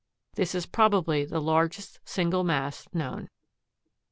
This is probably the largest single mass known.